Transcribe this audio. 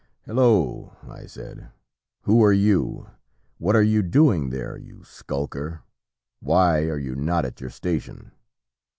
'Hillo!' I said, 'who are you? What are you doing there, you skulker? Why are you not at your station?'